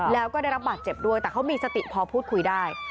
แล้วก็ได้รับบาดเจ็บด้วยแต่เขามีสติพอพูดคุยได้